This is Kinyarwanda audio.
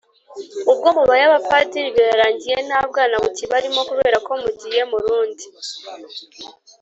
ubwo mubaye abapadiri, birarangiye nta bwana bukibarimo kubera ko mugiye mu rundi